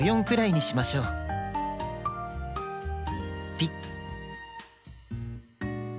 ピッ！